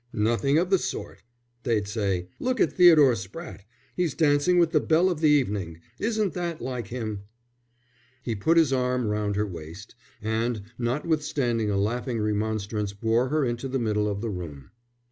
'" "Nothing of the sort! They'd say: 'Look at Theodore Spratte, he's dancing with the belle of the evening. Isn't that like him?'" He put his arm round her waist, and notwithstanding a laughing remonstrance bore her into the middle of the room.